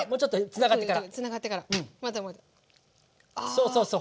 そうそうそう。